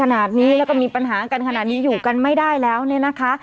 ขนาดนี้แล้วก็มีปัญหากันขนาดนี้อยู่กันไม่ได้แล้วเนี่ยนะคะ